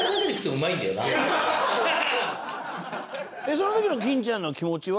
その時の金ちゃんの気持ちは？